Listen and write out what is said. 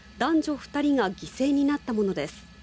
二人が犠牲になったものです